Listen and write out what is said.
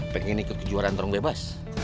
pengen ikut kejuaraan terong bebas